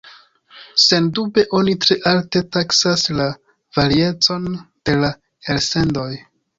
Sendube oni tre alte taksas la variecon de la elsendoj.